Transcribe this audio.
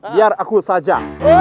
biar aku saja